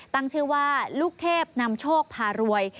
ตั้งชื่อว่าลูกเทพนำโชคพารวย